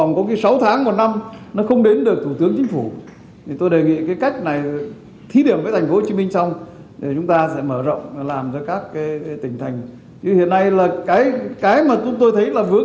như hiện nay là cái mà tôi thấy là vướng là vướng ở các bộ ngành